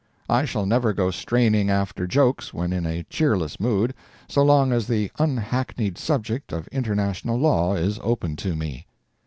I shall never go straining after jokes when in a cheerless mood, so long as the unhackneyed subject of international law is open to me.